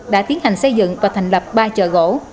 đã tiến hành xây dựng và thành lập ba chợ gỗ